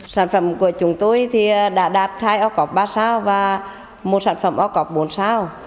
sản phẩm của chúng tôi thì đã đạt hai o cọp ba sao và một sản phẩm o cọp bốn sao